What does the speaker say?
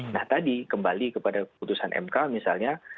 nah tadi kembali kepada keputusan mk misalnya